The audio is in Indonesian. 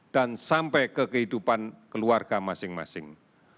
dan sampai ke kehidupan keluarga masing masing